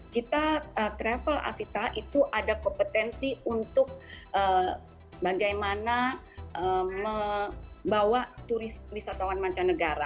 kita travel asita itu ada kompetensi untuk bagaimana membawa turis wisatawan mancanegara